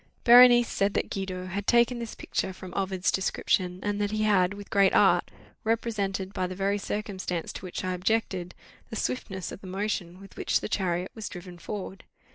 Berenice said that Guido had taken this picture from Ovid's description, and that he had, with great art, represented, by the very circumstance to which I objected, the swiftness of the motion with which the chariot was driven forward.